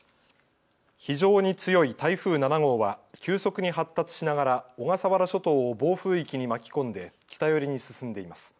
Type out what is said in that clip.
非常に強い台風７号は急速に発達しながら小笠原諸島を暴風域に巻き込んで北寄りに進んでいます。